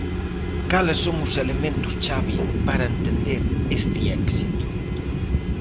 Cales son os elementos chave para entender este éxito?